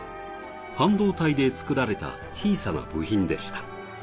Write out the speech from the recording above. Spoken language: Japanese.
半導体で作られた小さな部品でした。